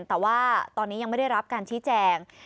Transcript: แต่ว่าตอนนี้ยังไม่ได้รับการชี้แจง